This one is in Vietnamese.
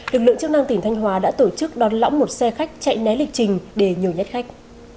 lực lượng chức năng tỉnh thanh hóa đã tổ chức đón lõng một xe khách chạy né lịch trình để nhồi nhét khách